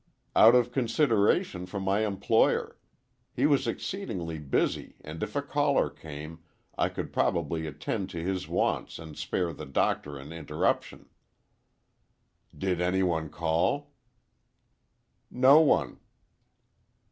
"Out of consideration for my employer. He was exceedingly busy and if a caller came, I could probably attend to his wants and spare the doctor an interruption." "Did any one call?" "No one."